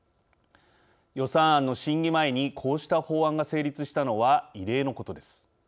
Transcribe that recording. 予算案の審議前にこうした法案が成立したのは異例のことです。